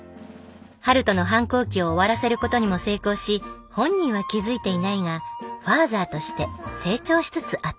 陽斗の反抗期を終わらせることにも成功し本人は気付いていないがファーザーとして成長しつつあった。